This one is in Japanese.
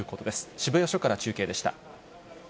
渋谷署から中継でした。